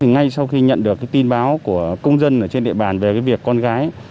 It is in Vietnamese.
ngay sau khi nhận được tin báo của công dân trên địa bàn về việc con gái